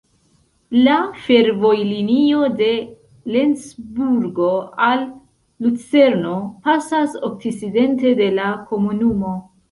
La fervojlinio de Lencburgo al Lucerno pasas okcidente de la komunumo.